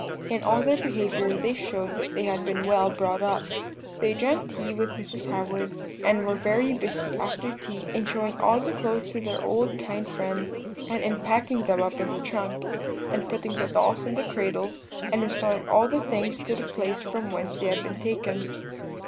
In all their behaviour they showed that they had been well brought up. "They drank tea with Mrs. Howard, and were very busy after tea in showing all the clothes to their old kind friend, and in packing them up in the trunk, and putting the dolls in the cradle, and restoring all the things to the place from whence they had been taken.